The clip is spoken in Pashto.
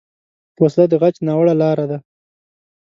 وسله د غچ ناوړه لاره ده